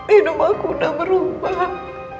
hidup aku udah berubah